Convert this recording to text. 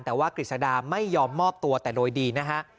แต่ว่ากฤษดาไม่ยอมมอบตัวแต่โดยดีนะฮะ